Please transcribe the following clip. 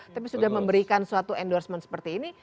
tapi sudah memberikan suatu endorsement seperti ini